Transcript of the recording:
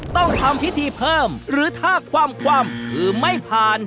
ต้องทำพิธีเพิ่มหรือถ้าคว่ำคือไม่ผ่าน